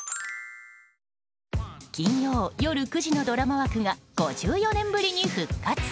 金曜夜９時のドラマ枠が５４年ぶりに復活。